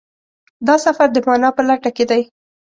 دا سفر د مانا په لټه کې دی.